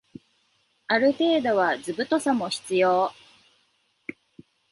ある程度は図太さも必要